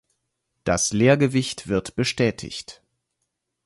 Das Leergewicht wird bestätigt.